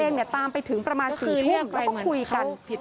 ตามไปถึงประมาณ๔ทุ่มแล้วก็คุยกัน